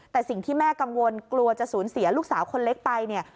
แต่สิ่งที่แม่กังวลกลัวจะสูญเสียลูกสาวคนเล็กไปเนี่ย